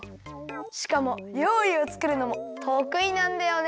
しかもりょうりをつくるのもとくいなんだよね。